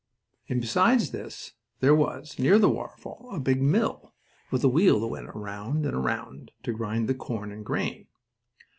And besides this there was, near the waterfall, a big mill, with a wheel that went around and around, to grind the corn and grain.